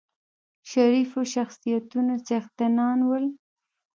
شریفو شخصیتونو څښتنان ول.